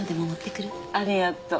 ありがとう。